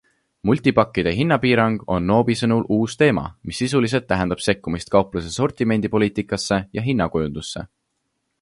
Multipakkide hinnapiirang on Noobi sõnul uus teema, mis sisuliselt tähendab sekkumist kaupluste sortimendi poliitikasse ja hinnakujundusse.